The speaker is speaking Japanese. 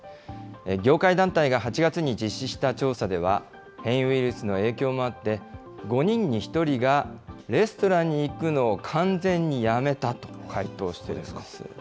業界団体が８月に実施した調査では、変異ウイルスの影響もあって、５人に１人がレストランに行くのを完全にやめたと回答しているんです。